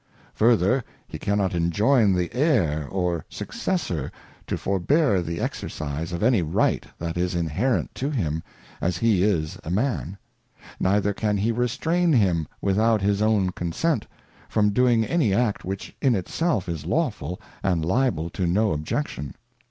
Further, he cannot enjoyn the Heir or Successor to forbear the exercise of any Right that is inherent to him, as he is a Man : neither can he restrain him without his own consent, from doing any act which in it self is lawful, and liable to no objection.